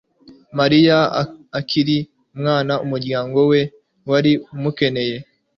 Mariya akiri umwana umuryango we wari umukene